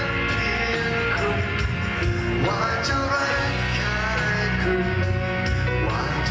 อีกเพลงหนึ่งครับนี้ให้สนสารเฉพาะเลย